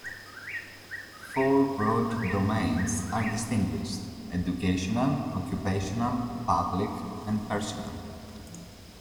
Four broad domains are distinguished: educational, occupational, public, and personal.